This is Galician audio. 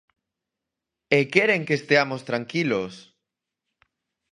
¡E queren que esteamos tranquilos!